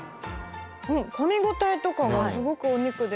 かみ応えとかがすごくお肉で。